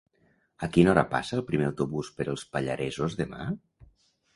A quina hora passa el primer autobús per els Pallaresos demà?